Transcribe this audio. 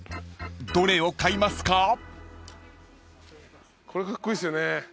［どれを買いますか？］